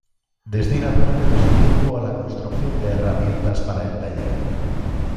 Destina parte de su tiempo a la construcción de herramientas para el taller.